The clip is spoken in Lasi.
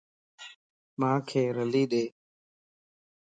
مانک رلي ڏي